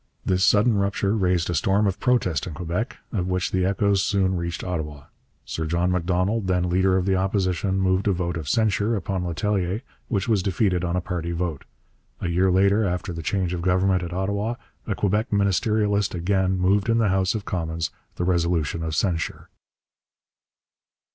This sudden rupture raised a storm of protest in Quebec, of which the echoes soon reached Ottawa. Sir John Macdonald, then leader of the Opposition, moved a vote of censure upon Letellier, which was defeated on a party vote. A year later, after the change of government at Ottawa, a Quebec ministerialist again moved in the House of Commons the resolution of censure.